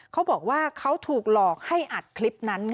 เขาบอกว่าเขาถูกหลอกให้อัดคลิปนั้น